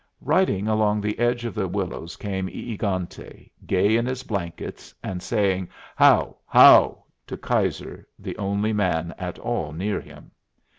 Riding along the edge of the willows came E egante, gay in his blankets, and saying, "How! how!" to Keyser, the only man at all near him.